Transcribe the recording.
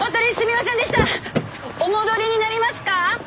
お戻りになりますか？